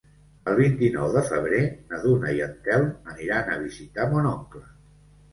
El vint-i-nou de febrer na Duna i en Telm aniran a visitar mon oncle.